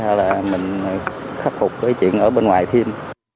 cho là mình khắc phục cái chuyện ở bên ngoài thêm